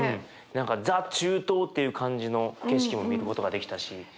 何かザ・中東っていう感じの景色も見ることができたし。